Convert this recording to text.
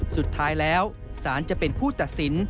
สุดท้ายแล้วศาลจะเป็นผู้ตัดสิน